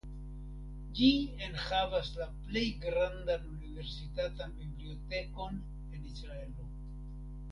Ĝi enhavas la plej grandan universitatan bibliotekon en Israelo.